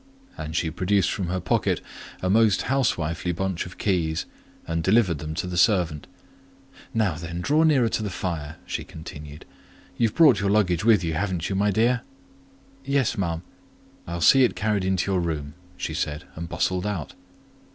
And she produced from her pocket a most housewifely bunch of keys, and delivered them to the servant. "Now, then, draw nearer to the fire," she continued. "You've brought your luggage with you, haven't you, my dear?" "Yes, ma'am." "I'll see it carried into your room," she said, and bustled out.